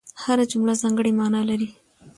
هره جمله ځانګړې مانا لري.